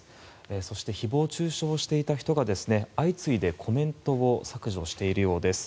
そして誹謗・中傷していた人が相次いでコメントを削除しているようです。